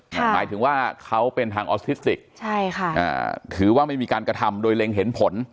หมายถึงว่าเขาเป็นทางออทิสติกถือว่าไม่มีการกระทำโดยเล็งเห็นผล